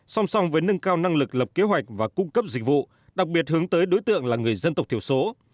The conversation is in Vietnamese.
song song với nâng cao năng lực lập kế hoạch và cung cấp dịch vụ đặc biệt hướng tới đối tượng là người dân tộc thiểu số